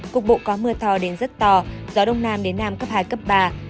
cục bộ có mưa to đến rất to gió đông nam đến nam cấp hai cấp ba